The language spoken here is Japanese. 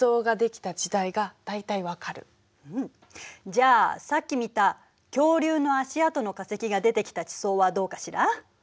じゃあさっき見た恐竜の足跡の化石が出てきた地層はどうかしら？